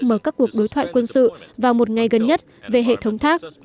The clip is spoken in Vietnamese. mở các cuộc đối thoại quân sự vào một ngày gần nhất về hệ thống thác